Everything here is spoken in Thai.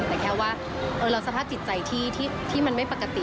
แต่แค่ว่าเราสภาพจิตใจที่มันไม่ปกติ